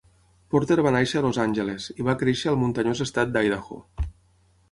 Porter va néixer a Los Angeles i va créixer al muntanyós estat d'Idaho.